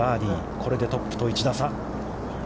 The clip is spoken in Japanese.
これでトップと１打差。